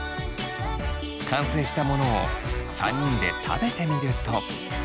完成したものを３人で食べてみると。